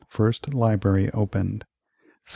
First library opened 1701.